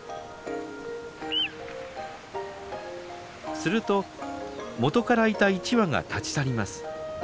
すると元からいた１羽が立ち去ります。